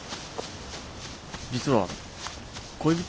実は恋人？